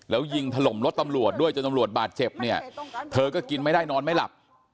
แล้วยิงถล่มรถตำรวจด้วยจนตำรวจบาดเจ็บเนี่ยเธอก็กินไม่ได้นอนไม่หลับ